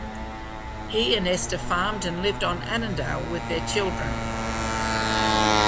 He and Esther farmed and lived on Annandale with their children.